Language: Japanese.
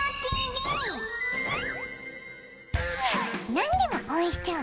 何でも応援しちゃう